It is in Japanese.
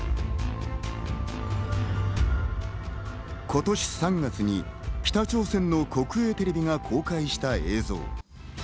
今年３月に北朝鮮の国営テレビが公開した映像。